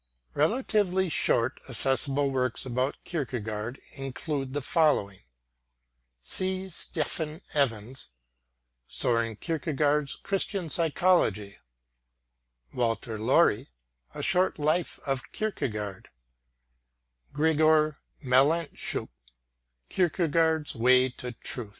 Relatively short, accessible works about Kierkegaard include the following: C. Stephen Evans, S°ren Kierkegaard's Christian Psychology; Walter Lowrie, A Short Life of Kierkegaard; Gregor Malantschuk, Kierkegaard's Way to the Truth.